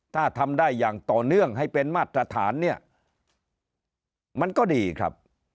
ถ้าทำได้อย่างต่อเนื่องให้เป็นมาตรฐานเนี่ยมันก็ดีครับ